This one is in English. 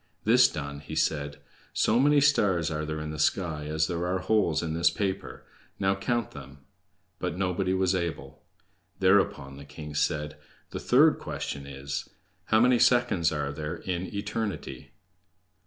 This done, he said: "So many stars are there in the sky as there are holes in this paper; now count them." But nobody was able. Thereupon the king said: "The third question is: How many seconds are there in eternity?"